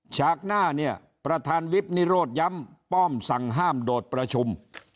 ฉากหน้าเนี่ยประธานวิบนิโรธย้ำป้อมสั่งห้ามโดดประชุม